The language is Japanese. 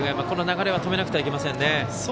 この流れは止めなくてはいけませんね。